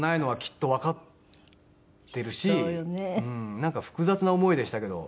なんか複雑な思いでしたけど。